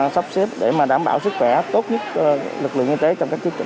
sắp xếp để mà đảm bảo sức khỏe tốt nhất lực lượng y tế trong các chức trực